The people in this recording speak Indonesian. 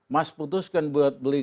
mas putuskan buat beli